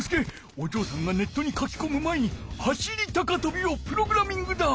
おじょうさんがネットに書きこむ前に走り高とびをプログラミングだ。